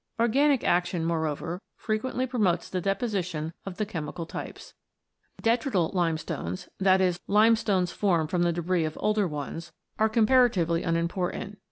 Organic action, moreover, frequently promotes the deposition of the chemical types. Detrital limestones, that is, limestones formed from the debris of older ones, are comparatively 14 ROCKS AND THEIR ORIGINS [OH. unimportant.